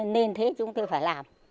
nên thế chúng tôi phải làm